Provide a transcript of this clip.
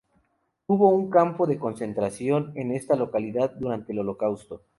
Hubo un campo de concentración en esta localidad durante el Holocausto.